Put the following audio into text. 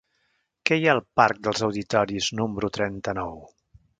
Què hi ha al parc dels Auditoris número trenta-nou?